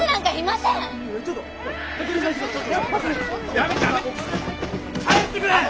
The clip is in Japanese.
やめ帰ってくれ！